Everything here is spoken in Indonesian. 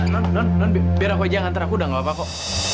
non non non biar aku aja yang nganter aku udah gak apa apa kok